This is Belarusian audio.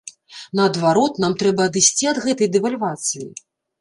Наадварот, нам трэба адысці ад гэтай дэвальвацыі.